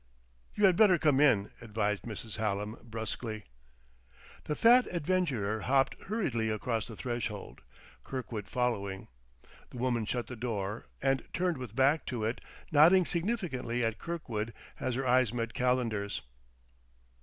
"You had better come in," advised Mrs. Hallam brusquely. The fat adventurer hopped hurriedly across the threshold, Kirkwood following. The woman shut the door, and turned with back to it, nodding significantly at Kirkwood as her eyes met Calendar's.